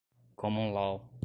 common law